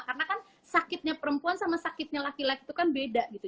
karena kan sakitnya perempuan sama sakitnya laki laki itu kan beda gitu